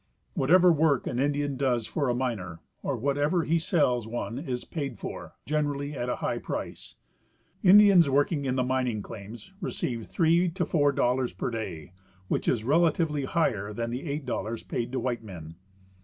Whatever work an Indian does for a miner or whatever he sells one is paid for, generally at a high price. Indians working in mining claims receive three to four dollars per day, which is relatively higher than the eight dollars paid to white men.